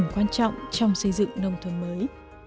quan trọng trong xây dựng nông thôn mới